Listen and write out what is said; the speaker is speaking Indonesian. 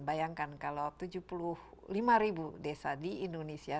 bayangkan kalau tujuh puluh lima ribu desa di indonesia